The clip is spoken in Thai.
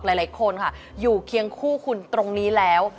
หลายคนค่ะอยู่เคียงคู่คุณตรงนี้แล้ว